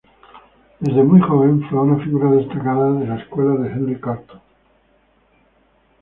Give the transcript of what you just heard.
Desde muy joven fue una figura destacada de la escuela de Henri Cartan.